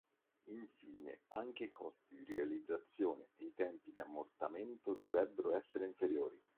Infine anche i costi di realizzazione ed i tempi di ammortamento dovrebbero essere inferiori.